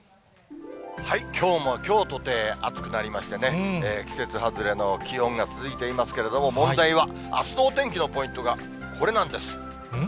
きょうもきょうとて暑くなりましてね、季節外れの気温が続いていますけれども、問題はあすのお天気のポイントがこれなんです。